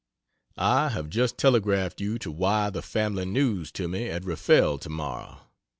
I have just telegraphed you to wire the family news to me at Riffel tomorrow.